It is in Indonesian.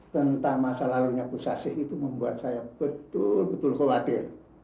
tentang masa lalunya bu sasi itu membuat saya betul betul khawatir